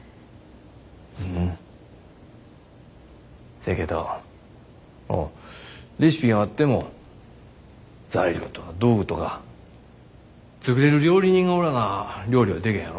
そやけどレシピがあっても材料とか道具とか作れる料理人がおらな料理はでけへんやろ。